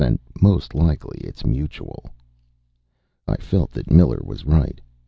And most likely it's mutual." I felt that Miller was right.